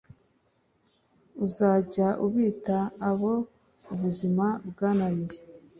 uzajya ubita abo ubuzima bwananiye,